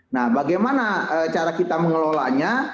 nah bagaimana cara kita mengelolanya